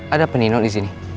ada pak nino disini